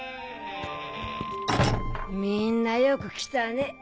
みんなよく来たね。